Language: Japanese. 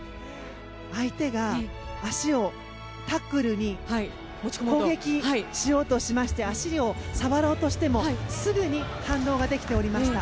相手が足をタックルに攻撃しようとしまして足を触ろうとしてもすぐに反応ができておりました。